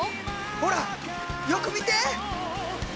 ほらよく見て！